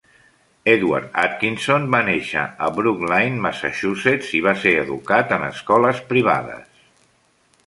Edward Atkinson va néixer a Brookline, Massachusetts i va ser educat en escoles privades.